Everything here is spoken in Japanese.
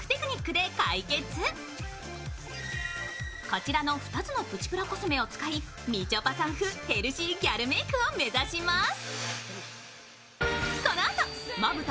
こちらの２つのプチプラコスメを使いみちょぱさん風ヘルシーギャルメークを目指します。